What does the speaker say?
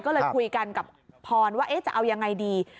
ก็เลยคุยกันกับพรว่าจะเอายังไงดี